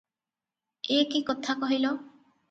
ଏ କି କଥା କହିଲ!